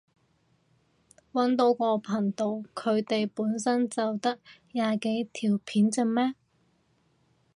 搵到個頻道，佢哋本身就得廿幾條片咋咩？